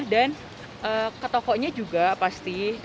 dan ke tokonya juga pasti